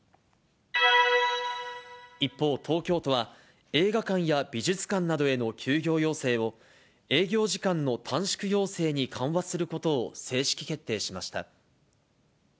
一方、東京都は、映画館や美術館などへの休業要請を、営業時間の短縮要請に緩和することを正式決定しました。